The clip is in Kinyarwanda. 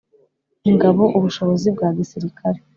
ingabo ubushobozi bwa gisirkare